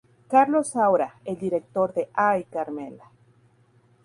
Carlos Saura, el director de "¡Ay, Carmela!